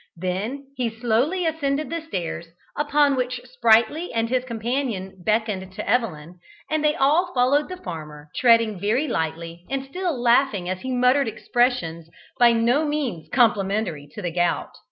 Then he slowly ascended the stairs, upon which Sprightly and his companion beckoned to Evelyn, and they all followed the farmer, treading very lightly, and still laughing as he muttered expressions by no means complimentary to the gout.